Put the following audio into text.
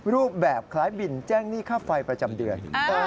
รูปแบบคล้ายบินแจ้งหนี้ค่าไฟประจำเดือน